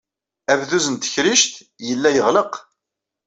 Abduz n tekrict yella yeɣleq.